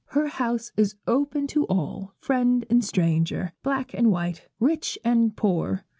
Her house is open to all, friend and stranger, black and white, rich and poor.